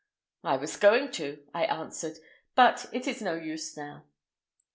"I was going to," I answered, "but it is no use now."